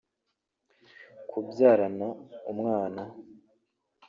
kubyarana umwana